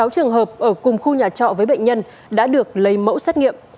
một mươi sáu trường hợp ở cùng khu nhà trọ với bệnh nhân đã được lấy mẫu xét nghiệm